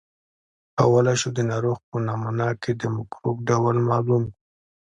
کولای شو د ناروغ په نمونه کې د مکروب ډول معلوم کړو.